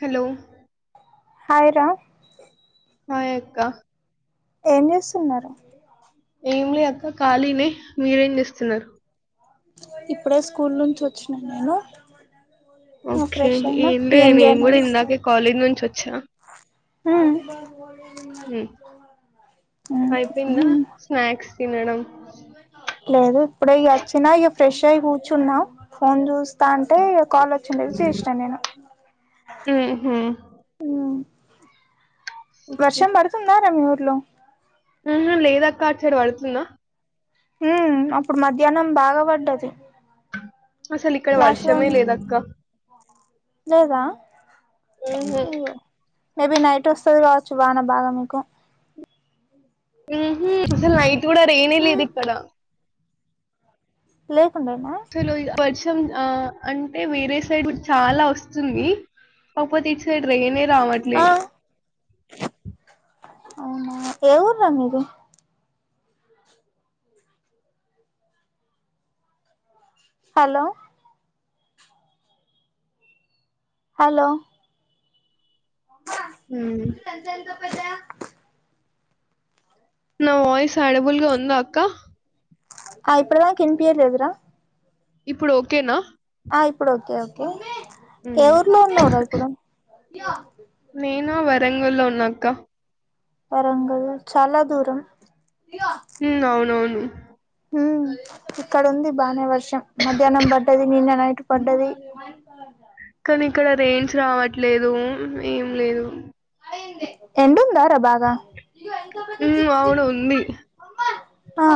Hello hi రా hi అక్క ఏం చేస్తున్నారు ఏం లే అక్క ఖాళీనే మీరేం చేస్తున్నారు ఇప్పుడే స్కూల్ నుంచి వచ్చినా నేను ఆ ఓకే ఫ్రెష్ అయినా లే ఏం నేను చేయలే కూడా ఇందాకే [unintelligible] కాలేజ్ నుంచి వచ్చా హమ్ ఉమ్ అయిపోయిందా స్నాక్స్ తినడం లేదు ఇప్పుడే ఇగా వచ్చినా ఇగ ఫ్రెష్ అయి కూర్చున్నా ఫోన్ చూస్త అంటే కాల్ వచ్చిండేది చేషిన నేను మ్ ఉహుమ్మ్ ఉమ్ ఓకే వర్షం పడుతుందారా మీ ఊర్లో ఉహు మ్ లేదక్క అటు సైడ్ పడుతుందా మ్ అప్పుడు మధ్యాహ్నం బాగా పడ్డది అసలు ఇక్కడ క్లాస్ లో వర్షమే ఉన్ లేదక్క లేదా ఉహు అయ్యో మేబీ నైట్ వస్తది కావచ్చు వాన బాగా మీకు మ్ హు మ్ అసలు నైట్ కూడా రైనే లేదు ఉమ్ ఇక్కడ లేకుండేనా లో వర్షం అంటే వేరే సైడ్ చాలా వస్తుంది కాకపోతే ఇటు సైడ్ రైనే ఆ అవునా ఏ ఊరు రా మీది హలో హలో మ్ [inaudible] నా వాయిస్ ఏడబుల్గా ఉందా అక్క ఆ ఇప్పటిదాకా వినిపియ్యటలేదు రా ఇప్పుడు ఓకేనా ఆ ఇప్పుడు ఓకే ఓకే ఏ హ్మ్ ఊర్లో ఉన్నావురా ఇప్పుడు నేను వరంగల్ లో ఉన్నాక్క వరంగల్ లోచాలా దూరం మ్ అవునవును మ్ ఇక్కడ ఉంది బానే వర్షం మధ్యాహ్నం పడ్డది నిన్న నైట్ పడ్డది మ కా కానీ ఇక్కడ రైన్స్ రావట్లేదు ఏం లేదు ఎండుందా ర భాగా మ్ అవును ఉంది ఆ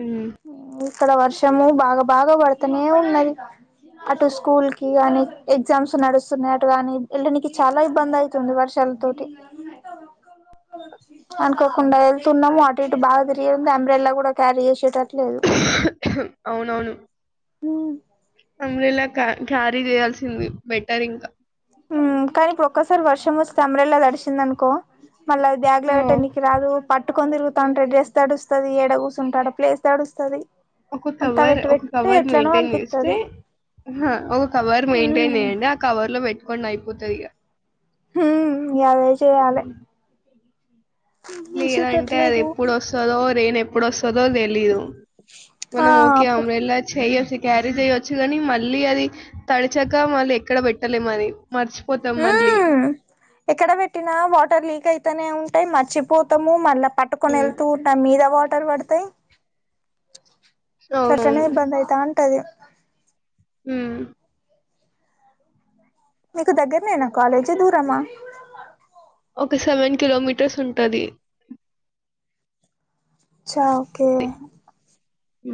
ఉమ్ ఇక్కడ వర్షము బాగా బాగా పడుతనే ఉన్నది అటు స్కూల్ కి కానీ ఎగ్జామ్స్ నడుస్తున్నాయి అటు కానీ ఎళ్ళనికి చాలా ఇబ్బంది అయి తుంది ఈ వర్షాల తోటి అనుకోకుండా ఎళ్తున్నాము అటు ఇటు బాగా తిరిగింది అంబ్రెల్లా కూడా క్యారీ చేసేటట్లేదు అవునవును మ్ అంబ్రెల్లా క క్యారీ చేయాల్సింది బెటర్ ఇంకా కాని ఇప్పుడు ఒక్కోసారి వర్షం వస్తే అంబ్రెల్లా తడిషిందిస్క్రఅనుకో మళ్ళ అది బ్యాగ్ లో ఆ పెట్టనీకి రాదు పట్టుకని తిరుగుతా ఉంటే డ్రెస్ తడుస్తుంది ఎడ కూసుంటె ఆడ ప్లేస్ తడుస్తది ఒక అంతా కవర్ వెట్టి ఒక వెట్టి కవర్ ఎట్లనో మెయింటైన్ చేస్తే అనిపిత్తది ఒక కవర్ మెయింటైన్ ఉమ్ చేయ్యండి కవర్ లో పెట్టుకోండి అయిపోతది ఇక హుమ్ ఇగ అదే చేయాలే హ్మ్ లేదంటే అది చేసేటట్లేదు ఎప్పుడు వస్తుదో రేన్ ఎప్పుడు వస్తుదో తెలీదు ఆ మనం ఓకే అప్పు అంబ్రెల్లా చెయొచ్చు క్యారీ చేయొచ్చు కానీ మళ్ళీ అది తడిచాక మళ్ళీ ఎక్కడ పెట్టలే అది మర్చిపోతాం మళ్ళీ ఉమ్ ఎక్కడ పెట్టినా వాటర్ లీక్ అయితనే ఉంటాయి మర్చిపోతాము మళ్ళీ పట్టుకొని హ్మ్. వెళ్తూ నా మీద వాటర్ పడతాయి గట్లానే అవునవును. ఇబ్బంది అవుతా ఉంటది హు మీకు దగ్గర నేను కాలేజీ దూరమా ఒక సెవెన్ కిలోమీటర్స్ ఉంటది చ్చా ఓకే ఉ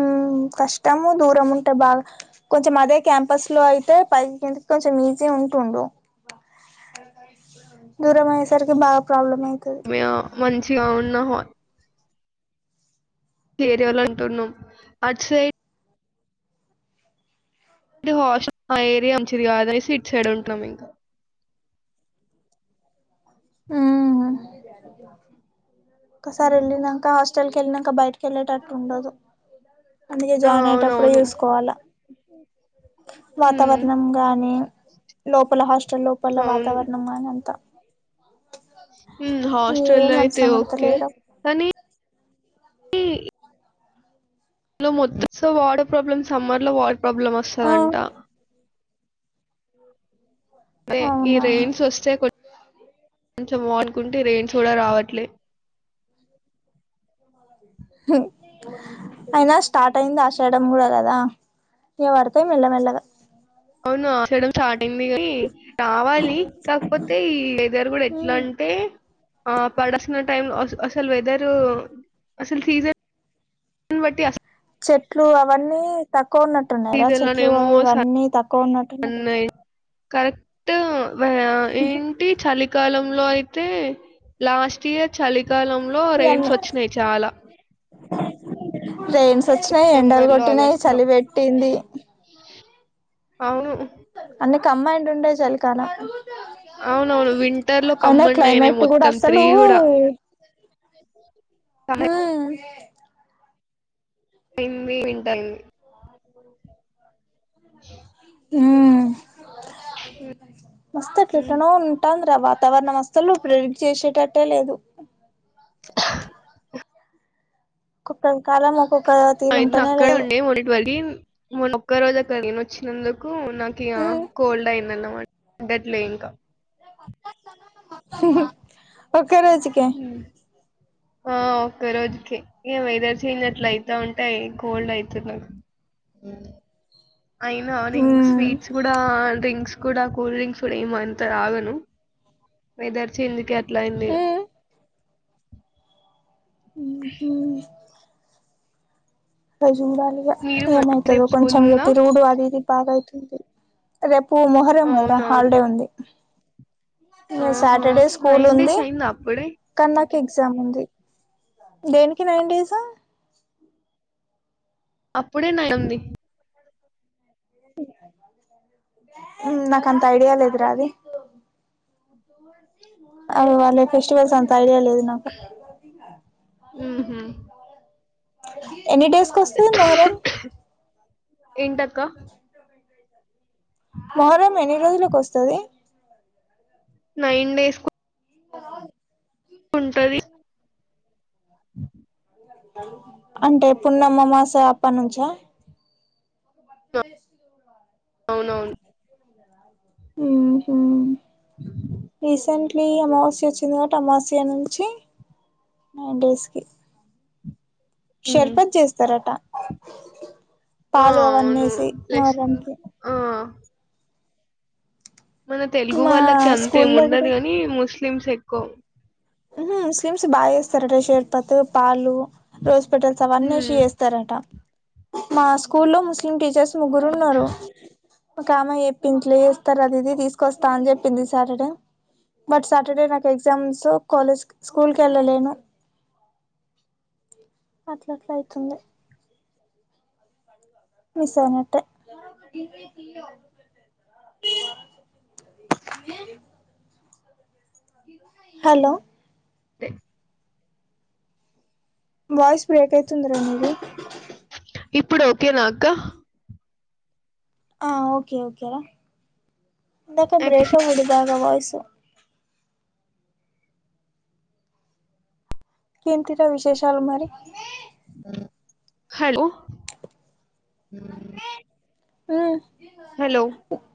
ఉమ్ కష్టము దూరం ఉంటే బాగా కొంచెం అదే క్యాంపస్ లో అయితే పై కిందికి కొంచెం ఇజిగా ఉంటుండు దూరం అయే సర్కి బాగా ప్రాబ్లమ్ అవుతుది మంచిగా ఉన్న ఏర్యాల అంటున్నాం అట్ సైడ్ ఇది హాష్మ్ మా ఆ ఏరియా మంచిది కాదని ఇట్ సైడ్ ఉంటున్నాం ఇంకా ఉ ఒకసారి హ్మ్. వెళ్లిన ఇంకా హాస్టల్ క వెళ్ళినాక బయటకి వెళ్ళేటట్టు ఉండదు అందుకే ఆ! జాయిన్ అయేటప్పుడే అవునవును. చూసుకోవాలా అ హ్మ్. వాతావరణం గాని లోపల హాస్టల్ లోపల అవును. వాతావరణం గాని అంతా హు హాస్టల్ ఏం అయితే అవసరం ఓకే పడతలేరు కానీ ఇలో మొత్తం వాటర్ ప్రాబ్లమ్ సమ్మర్ లో వాటర్ ప్రాబ్లమ్ ఆ వస్తదంట అదే ఈ అవునా రెయిన్స్ వస్తే కొంచెం వానుకుంటే రెయిన్స్ కూడా రావట్లే హు అయినా స్టార్ట్ అయింది ఆషాడం కూడా కదాఇగ పడతాయి మెల్లమెల్లగా అవును ఆషాడం స్టార్టయింది కానీ రావాలి కాకపోతే ఈ వెదర్ కూడా ఎట్లా ఉమ్ అ పడాల్సిన టైమ్ లో అసలు వెదర్ అసలు సీజన్ దీని బట్టి అసల్ చెట్లు అవన్నీ తక్కువ ఉన్నట్టున్నాయరా సీజన్ చెట్లు లోనేమో అవి ఇవన్నీ తక్కువ సన్ ఉన్నట్టున్నాయ్ కరెక్ట్ ఏంటి చలికాలంలో అయితే లాస్ట్ ఇయ్యర్ చలికాలంలో రెన్స్ వచ్చినాయ్ చాలా రెన్స్ వచ్చినాయి ఎండలు సెప్టెంబర్ లో కొట్టినయి ఆగస్ట్ లో చలి పెట్టింది అవును అన్నీ కమ్మాండ్ ఉండే చలికాలం అవునవును వింటర్ లో అయినా కమ్మన్ అయినాయి క్లైమేట్ గూడా మొత్తం త్రీ అసలు కూడా చాలా ఉ తిండి తింటల్ [inaudible] [inaudible] ఉ మస్త్ అట్లా ఎట్లనో ఉంటానంది రా వాత వాతావరణం అస్తలు ప్రొరెడ్ చేసేటట్టె లేదు కొక్క కాలమ ఓకొక్క అయితే అక్కడే ఉండే [unintelligible] వరి మొన్న ఒక్క రోజు అటెల్లి వచ్చినందుకు నాకు ఇక హ్మ్ కోల్డ్ అయిందన్నమాట గట్లే ఇంకా ఒక్క రోజుకే ఆ ఒక్క రోజుకి ఏ వెదర్ చేజ్ అట్ల అయితా ఉంటే కోల్డ్ అయితాది నాకు అయినా నేన్ హ్మ్ స్వీట్స్ గూడా డ్రింక్స్ కూడ కూల్ డ్రింక్స్ కూడ ఏమ్ అంత తాగను వెదర్ చేంజ్ కి ఎట్లా అయింది హ్మ్ మ్ హు చూడాలిగా మీరు మరి ఏమయితదో రేపు స్కూల్ ఉందా కొంచెంఇగాతిరుగుడు అది ఇది బాగాయితుంది రేపు మొహరం కదరా అవునవును హాలిడే ఉంది ఇగా ఆహా సాటర్డే స్కూల్ నైన్ డేస్ ఉంది అయిందా అప్పుడే కాని నాకు ఎగ్జామ్ ఉంది దేనికి నైన్ డేస్ అప్పుడే నైన్ ఉంది నాక్ అంత ఐడియా లేదరా అది అరె వాళ్ళ ఫెస్టివల్స్ అంత ఐడియాల లేదు నాకు మ్మ్హ్మ్. ఎన్నీ డేస్ కొస్తది మొహారం ఏంటక్క మొహరం ఎన్ని రోజులకు వస్తది నైన్ డేస్కు ఇంతా కావాలి ఉంటది [inaudible] అంటే పున్నమ్మమాస అప్పటినుంచా మ్బబుల లేసి ఇల్లుతుడవాలి అవునవును మ్ హు రిసెంట్ మళ్ళి అమావాస్య వచ్చింది కాబట్టి అమాస్య నుంచి నైన్ డేస్ కి ఉమ్. షేర్బత్ చేస్తారట ఆ పాలు అవన్నీ అవును వేసి ప్లస్ మొహరానికి ఆ మన తెలుగు మా వాళ్ళకి అంతేం స్కూల్లో ఉండదు కూడా గాని ముస్లిమ్స్ ఎక్కువ ముస్లిమ్స్ బాగా చేస్తారటా షేర్పత్ పాలు రోజ్ పెటల్స్ అవన్నీ ఎసి ఉమ్ ఎస్త చేస్తారట మా స్కూలో ముస్లిం టీచర్స్ ముగ్గురు ఉన్నరు ఒక్కామే చెప్పింది ఇట్లా చేస్తరు అది ఇది తీసుకొస్తా అని చెప్పింది సాటడె బట్ సాటర్డే నాకు ఎగ్జామ్సు కాలేజ్కి స్కూల్కివెళ్ళలేను అట్ల అట్లా అయితుంది మిస్సయినట్టే ఏ హలో తే వాయిస్ బ్రేక్ అయితుందిరా మీది ఇప్పుడు ఓకే నా అక్క ఆ ఓకే ఓకేరా ఇందాక బ్రేక్ అయిందిరా వాయిస్ ఇంకేటియిరా విశేషాలు మరి హలో ఉ హలో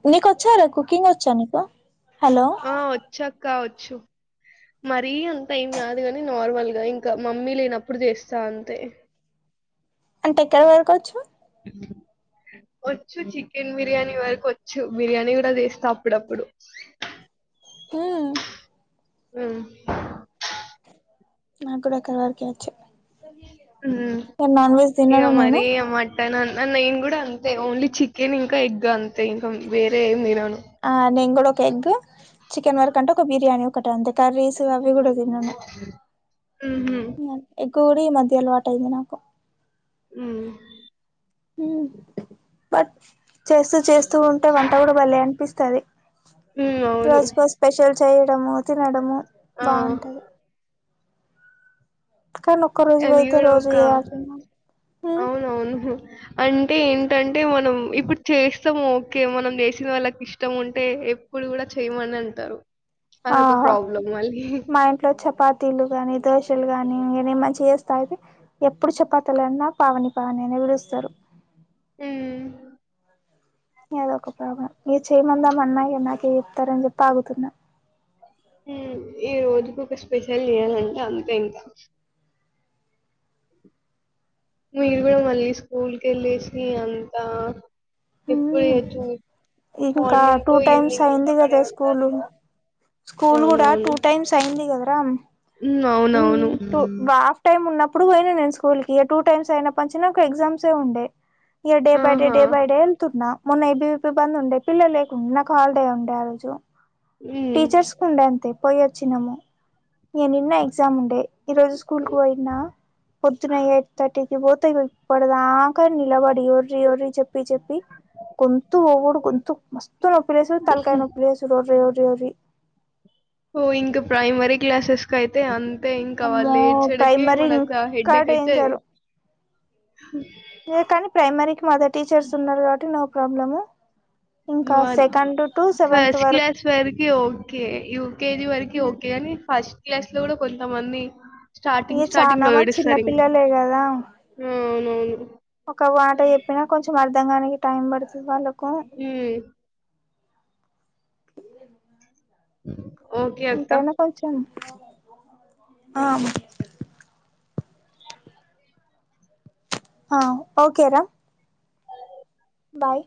నీ కొచ్చారా కుకింగ్ వచ్చా నీకు హలో ఆ వచ్చాక్కా వచ్చు మరీ అంతా ఏం రాదు కాని నార్మల్గా ఇంకా మమ్మీ లేనప్పుడు చేస్తా అంతే. అంటే ఎక్కడ వరకు వచ్చు. ఇ వచ్చు చికెన్ బిర్యానీ వరకు వచ్చు బిర్యానీ కూడా చేస్తా అప్పుడప్పుడు. [inaudible] [inaudible] మ్మ్ ఊ నాక్కూడా అక్కడి వరకే వచ్చు. ఉమ్ కానీ నాన్ వెజ్ ఇక తినను మరి నేను. మటన్ నేను కూడా అంతే ఓన్లీ చికెన్ ఇంకా ఎగ్ అంతే ఇంకా వేరే ఏం తినను. ఆ నేను కూడా ఒక ఎగ్ చికెన్ వరకు అంటే ఒక బిర్యానీ ఒకటి అంతే కర్రీస్ అవి కూడా తినను. ఊహు ఎగ్ కూడా ఈ మధ్యే అలవాటు అయింది నాకు. ఊ ఉ బట్ చేస్తూ చేస్తూ ఉంటే వంట కూడా బలే అపిస్తది. ఉమ్ అవును రోజుకో స్పెషల్ చేయడం తినడము ఆ బాగుంటది. కానీ ఒక్క రోజు అవి అయితే కూడ రోజు ఒక చేయాల్సిందే మ్మ్ అవునవును అంటే ఏంటంటే మనం ఇప్పుడు చేస్తాము ఓకే మనం చేసిన వాళ్ళకి ఇష్టం ఉంటే. అప్పుడు కూడా చేయ్ మని అంటారు. అదొక ఆహ ప్రాబ్లం మళ్ళీ మా ఇంట్లో చపాతి. ఇడ్లీలు గాని దోశలు గాని ఇగ నేన్ మంచిగ చేస్తా ఐతే. ఎప్పుడు చపాతులన్నా పావని పావని అనే పిలుస్తారు. ఊ అదొక ప్రాబ్లం ఇగ చేయ్ మందామన్న ఇగ నాకే చెప్తారని చెప్పి ఆగుతున్నా. ఉ ఇగ రోజుకు ఒక స్పెషల్ చెయ్యాలంటే అంతే ఇంకా. మీరు కూడా మళ్ళీ స్కూల్ కెళ్ళేసి అంతా ఎప్పుడు మ్మ్ చేయొచ్చో. ఇంకా టూ టైమ్స్ అయింది నిలబడే కదా ఉండాలి స్కూలు కదా స్కూల్ కూడా టూ టైమ్స్ అయింది కదరా. ఉ అవునవును. హ్మ్. గా హాఫ్ టైమ్ ఉన్నప్పుడు పోయినా నేను స్కూల్ కి ఇగ టూ టైమ్స్ అయినప్పటి నుంచి నాకు ఎగ్జామ్సే ఉండే ఇక డే బై డే ఆహా! డే బై డే ఎళ్తున్నా. మొన్న ఎబివిపి బంద్ ఉండే పిల్లలు లేకుండే నాకు హాలిడే ఉండే ఆ రోజు. హ్మ్. టీచర్స్ ఉండే అంతే పోయి వచ్చినాము ఇగ నిన్న ఎగ్జామ్ ఉండే. ఈ రోజు స్కూల్ కి పోయిన్నా పొద్దున యైట్ థర్టీకి పోతె ఇగ. ఇప్పడిదాగా నిలబడి ఒర్రి ఒర్రి చెప్పి చెప్పి గొంతు. గొంతు మస్తు నొప్పి లేస్తాది తలకాయ నొప్పి లేసుడు ఒర్రి ఒర్రి ఒర్రి ఓ ఇంకా ప్రైమరీ క్లాసెస్ కయితే అంతే అయితే ఇంకా వాళ్ళు అమ్మో ఏడ్చేటకే ప్రైమరీ మనకు ఇంకా హెడ్డేక్ అయితది. డేంజరు అదే కానీ ప్రైమరీకి మదర్ టీచర్స్ ఉన్నారు కాబట్టి నో ప్రాబ్లము. ఇంకా one second. To seventh first వరకు క్లాస్ వరకి ఓకే యూకేజీ వరకి ఓకే కానీ ఫస్ట్. క్లాస్ లో కూడా కొంతమంది ఇగ స్టార్టింగ్ స్టార్టింగ్ చానా లో మంది చిన్న ఏడూస్తారు ఇ పిల్లలే కదా ఆ అవునవును ఒక వాట చెప్పిన కొంచెం అర్ధం కానికి టైం పడుతది వాళ్ళకు హు ఓ ఎంతైన కొంచెం ఆ ఆ ఓకేరా బాయ్